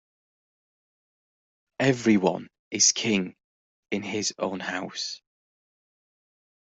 Every one is king in his own house.